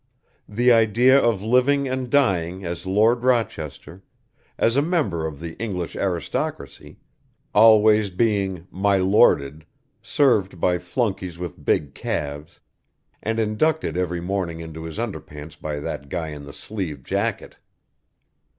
The idea of living and dying as Lord Rochester, as a member of the English Aristocracy, always being "My Lorded," served by flunkeys with big calves, and inducted every morning into his under pants by that guy in the sleeved jacket!